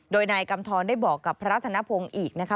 โดยนายกำทรได้บอกกับพระธนพงศ์อีกนะคะ